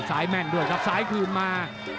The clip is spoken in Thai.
สายแม่นด้วยครับสายคืนมา